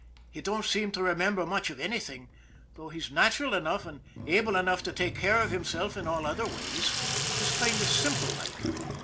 He don't seem to remember much of anything, though he's natural enough and able enough to take care of himself in all other ways. Just kind of simple like.